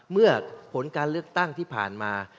เมื่อผลการเลือกตั้งที่ผ่านมา